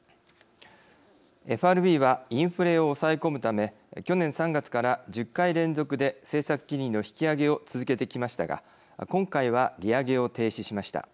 ＦＲＢはインフレを抑え込むため去年３月から１０回連続で政策金利の引き上げを続けてきましたが今回は利上げを停止しました。